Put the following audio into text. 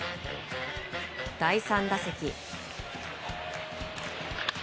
第３打席。